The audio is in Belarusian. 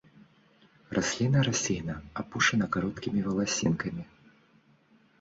Расліна рассеяна апушана кароткімі валасінкамі.